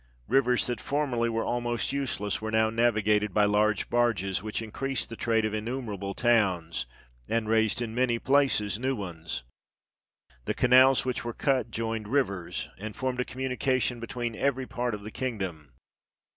"Rivers that formerly were almost useless were now navigated by large barges, which increased the trade of innumerable towns, and raised in many places new ones. The canals which were cut joined rivers, and formed a communication between every part of the kingdom.